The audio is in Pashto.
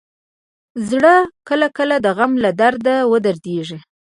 زړه کله کله د غم له درده ودریږي.